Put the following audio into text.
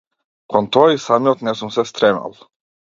Кон тоа и самиот не сум се стремел.